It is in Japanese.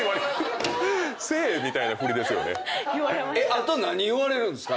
あと何言われるんですか？